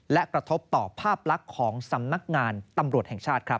และกระทบต่อภาพลักษณ์ของสำนักงานตำรวจแห่งชาติครับ